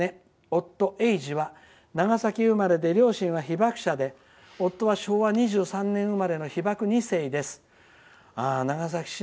夫えいじは長崎生まれで両親は被爆者で夫は昭和２３年生まれの被爆２世です。